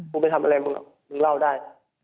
ผมไปทำอะไรมึงเล่าได้